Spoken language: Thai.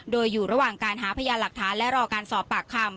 โดยอยู่ระหว่างการหาพยานหลักฐานและรอการสอบปากคำ